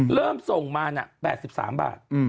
เริ่มส่งมา๘๓บาท